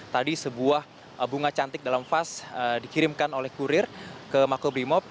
tadi sebuah bunga cantik dalam vas dikirimkan oleh kurir ke makobrimob